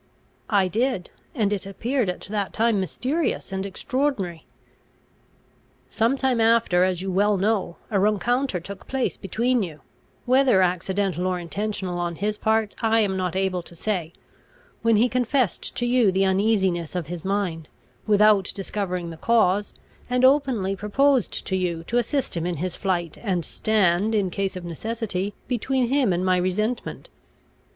"I did, and it appeared at that time mysterious and extraordinary." "Some time after, as you well know, a rencounter took place between you, whether accidental or intentional on his part I am not able to say, when he confessed to you the uneasiness of his mind, without discovering the cause, and openly proposed to you to assist him in his flight, and stand, in case of necessity, between him and my resentment.